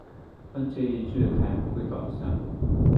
团结一致才不会倒下